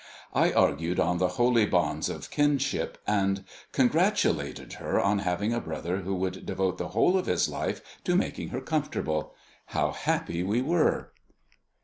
I argued on the holy bonds of kinship, and congratulated her on having a brother who would devote the whole of his life to making her comfortable. How happy we were!